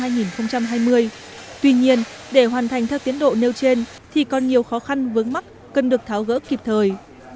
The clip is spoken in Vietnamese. tuy nhiên để hoàn thành theo tiến độ nêu trên thì còn nhiều khó khăn vướng mắt cần được tháo gỡ kịp thời